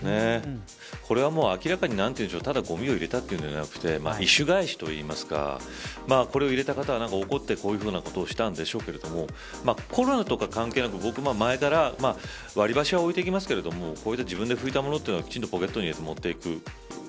これはもう明らかにただごみを入れたというんじゃなくて意趣返しと言いますかこれを入れた方は、怒ってこういうことをしたんでしょうけれどもコロナとか関係なく前から割り箸は置いてきますけど自分で拭いたものは、きちんとポケットに入れて持っていく。